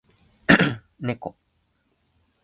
ねこ